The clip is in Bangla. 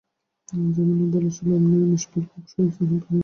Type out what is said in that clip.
যেমনি বলা অমনি আমার মনের নিষ্ফল ক্ষোভ সমস্ত শান্ত হইয়া গেল।